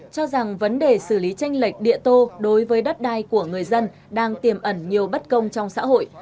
cho rằng vấn đề xử lý tranh lệch địa tô đối với đất đai của người dân đang tiềm ẩn nhiều bất công trong xã hội